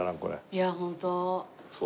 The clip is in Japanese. いやホント。